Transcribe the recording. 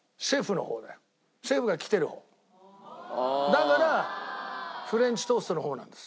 だからフレンチトーストの方なんです。